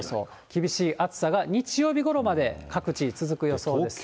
厳しい暑さが日曜日ごろまで各地、続く予想です。